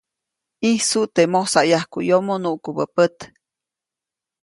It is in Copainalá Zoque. ʼĨjsut teʼ mosayajkuʼyomo nuʼkubä pät.